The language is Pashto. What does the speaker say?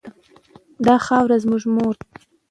دا خاوره زموږ مور ده.